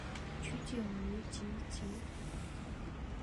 取景于以及。